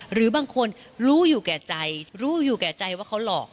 หรือบางคนรู้อยู่แก่ใจรู้อยู่แก่ใจว่าเขาหลอก